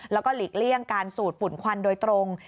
แล้วก็หลีกเลี่ยงการสูดฝุ่นควันโดยตรง